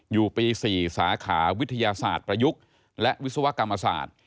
อยู่ปี๔สาขาวิทยาศาสตร์ประยุกต์และวิศวกรรมศาสตร์